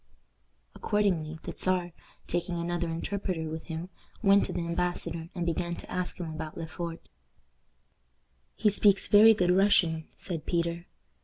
Accordingly, the Czar, taking another interpreter with him, went to the embassador and began to ask him about Le Fort. "He speaks very good Russian," said Peter.